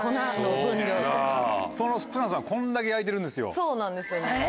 そうなんですよね。